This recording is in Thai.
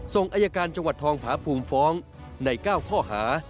ทรงพาภูมิส่งบรรยากาศใน๙ข้อหา